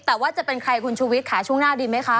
แต่ว่าจะเป็นใครคุณชูวิทย์ค่ะช่วงหน้าดีไหมคะ